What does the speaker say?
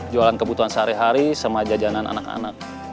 jualan kebutuhan sehari hari sama jajanan anak anak